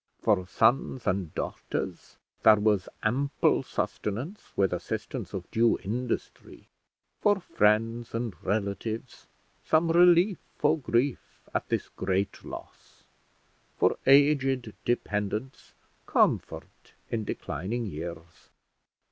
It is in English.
For sons and daughters there was ample sustenance with assistance of due industry; for friends and relatives some relief for grief at this great loss; for aged dependents comfort in declining years.